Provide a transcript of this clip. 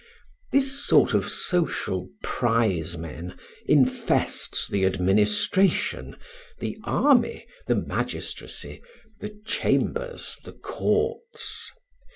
This sort of social prizemen infests the administration, the army, the magistracy, the chambers, the courts.